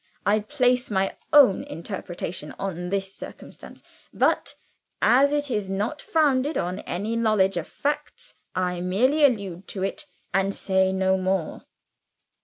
I place my own interpretation on this circumstance; but as it is not founded on any knowledge of facts, I merely allude to it, and say no more."